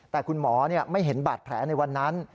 แต่คุณหมอไม่เห็นบาดแผลในวันนั้น